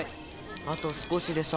あと少しでさ。